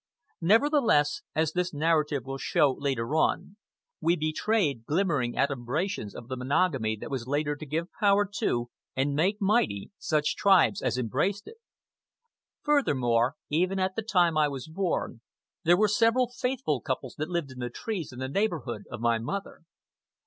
Nevertheless, as this narrative will show later on, we betrayed glimmering adumbrations of the monogamy that was later to give power to, and make mighty, such tribes as embraced it. Furthermore, even at the time I was born, there were several faithful couples that lived in the trees in the neighborhood of my mother.